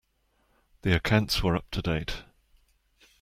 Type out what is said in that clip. The accounts were up to date.